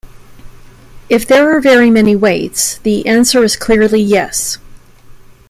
If there are very many weights, the answer is clearly yes.